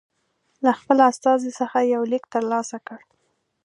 له خپل استازي څخه یو لیک ترلاسه کړ.